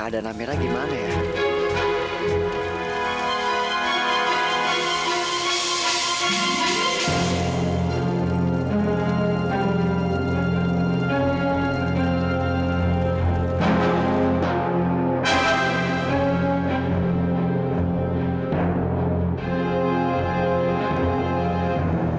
bagaimana benteng amira sepatu saya